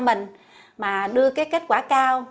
mà đưa cái kết quả cao